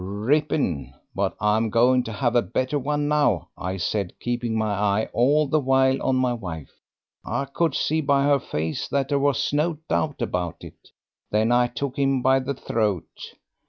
"'Rippin'; but I'm going to have a better one now,' I said, keeping my eye all the while on my wife. I could see by her face that there was no doubt about it. Then I took him by the throat.